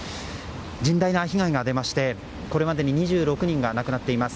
甚大な被害が出ましてこれまでに２６人が亡くなっています。